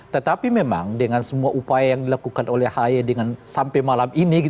tetapi memang dengan semua upaya yang dilakukan oleh ahy dengan sampai malam ini